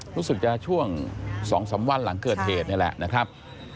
รู้สึกจะช่วง๒๓วันหลังเกิดเหตุนี่แหละนะครับ